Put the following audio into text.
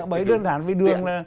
bởi đơn giản vì đường